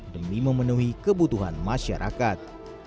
demi memenuhi kebutuhan masyarakat